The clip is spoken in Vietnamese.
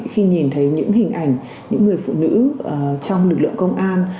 khi nhìn thấy những hình ảnh những người phụ nữ trong lực lượng công an